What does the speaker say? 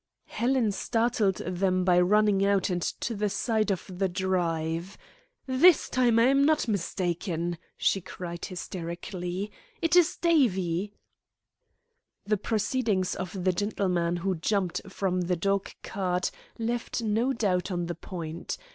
Helen startled them by running out to the side of the drive. "This time I am not mistaken," she cried hysterically. "It is Davie!" The proceedings of the gentleman who jumped from the dog cart left no doubt on the point.